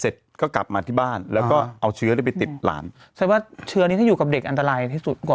เสร็จก็กลับมาที่บ้านแล้วก็เอาเชื้อไปติดหลานแสดงว่าเชื้อนี้ถ้าอยู่กับเด็กอันตรายที่สุดกว่า